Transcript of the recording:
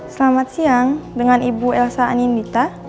selamat siang dengan ibu elsa anindita